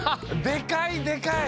でかいでかい！